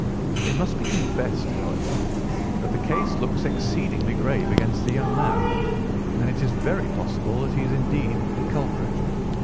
It must be confessed, however, that the case looks exceedingly grave against the young man, and it is very possible that he is indeed the culprit.